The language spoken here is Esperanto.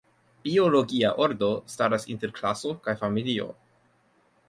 Biologia ordo staras inter klaso kaj familio.